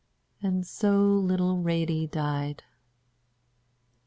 And so little Ratie died.